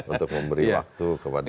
untuk memberi waktu kepada